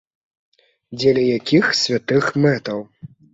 Дзеля якіх святых мэтаў?